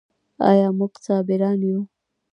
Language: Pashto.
آیا موږ صابران یو؟